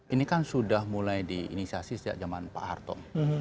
ini kan sudah mulai diinisiasi sejak zaman pak harto